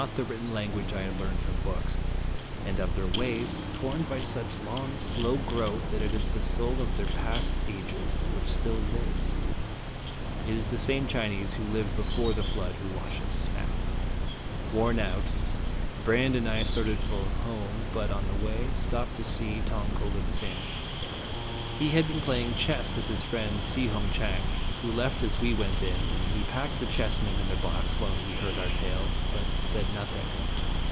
e ^Dramatic in M$ tH^sting. 117 written language I had learned from books and of their ways, formed by such long, slow growth that it is the soul of their past ages which still lives it is the same Chinese who lived before the flood who watch us now. Worn out, Brande and I started for home, but on the way stopped to see Tong ko lin sing. He had been playing chess with his friend Si Hung Chang, who left as we went in, and he packed the chessmen in their box while he heard our tale, but said nothing.